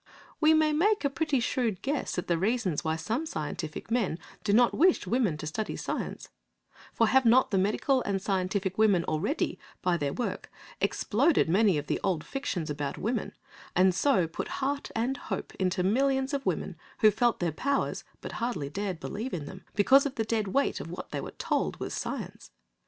We may make a pretty shrewd guess at the reasons why some scientific men do not wish women to study science, for have not the medical and scientific women already, by their work, exploded many of the old fictions about women, and so put heart and hope into millions of women who felt their powers, but hardly dared believe in them, because of the dead weight of what they were told was science?